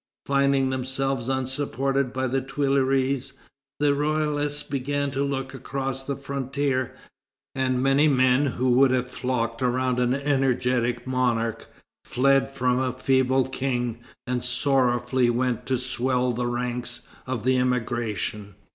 Finding themselves unsupported by the Tuileries, the royalists began to look across the frontier, and many men who would have flocked around an energetic monarch, fled from a feeble king and sorrowfully went to swell the ranks of the emigration.